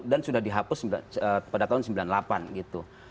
dan sudah dihapus pada tahun sembilan puluh delapan gitu